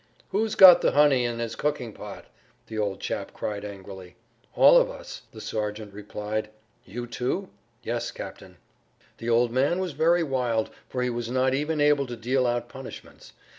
"Who's got honey in his cooking pot?" the old chap cried angrily. "All of us," the sergeant replied. "You, too?" "Yes, captain." The old man was very wild, for he was not even able to deal out punishments.